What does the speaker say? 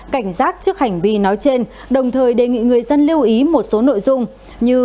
cảnh giác trước hành vi nói trên đồng thời đề nghị người dân lưu ý một số nội dung như